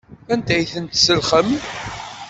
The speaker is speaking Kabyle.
Anda ay ten-tselxem?